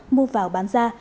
mua vào bán ra